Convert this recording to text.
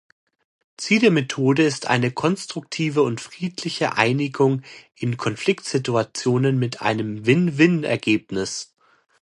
Ziel der Methode ist eine konstruktive und friedliche Einigung in Konfliktsituationen mit einem Win-Win-Ergebnis.